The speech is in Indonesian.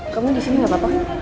kamu disini gak apa apa